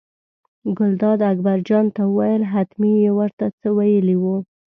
ګلداد اکبرجان ته وویل حتمي یې ور ته څه ویلي وو.